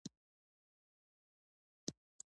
بایسکل چلول د وینې جریان ته ګټه لري.